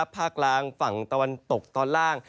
กลางฝั่งตะวันตกตอนล่าง